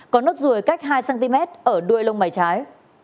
có nốt ruồi cách hai cm ở đuôi lông mày trái